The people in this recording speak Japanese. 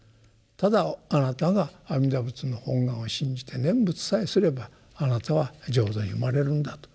ただあなたが阿弥陀仏の本願を信じて念仏さえすればあなたは浄土に生まれるんだと。